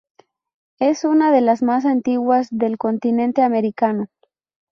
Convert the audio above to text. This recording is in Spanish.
Es una de las más antiguas del continente americano.